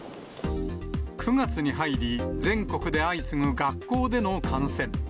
９月に入り、全国で相次ぐ学校での感染。